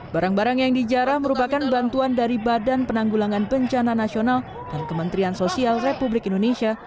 barang barang yang dijarah merupakan bantuan dari badan penanggulangan bencana nasional dan kementerian sosial republik indonesia